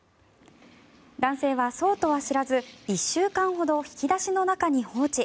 男性はそうとは知らず１週間ほど引き出しの中に放置。